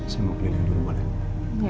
semoga kalian berubah ya